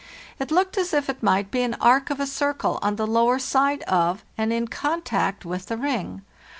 it looked as if it might be an arc of a circle on the lower side of, and in contact with, the ring.